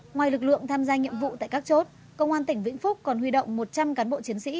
ngoài lực lượng tham gia nhiệm vụ tại các chốt công an tỉnh vĩnh phúc còn huy động một trăm linh cán bộ chiến sĩ